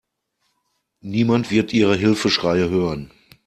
Niemand wird Ihre Hilfeschreie hören.